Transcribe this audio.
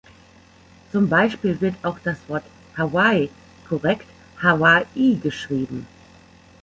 Zum Beispiel wird auch das Wort "Hawaii" korrekt "Hawaiʻi" geschrieben.